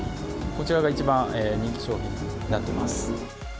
こちらが一番人気商品になってます。